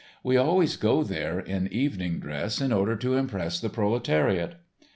We always go there in evening dress in order to impress the Proletariat.